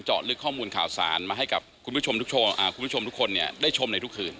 ลึกข้อมูลข่าวสารมาให้กับคุณผู้ชมทุกคนได้ชมในทุกคืน